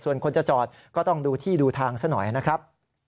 ส่วนคนจะจอดก็ต้องดูที่ดูทางซะหน่อยนะครับ